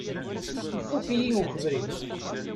Ifukk-iyi ukebri.